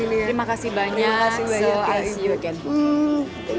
terima kasih banyak so i see you again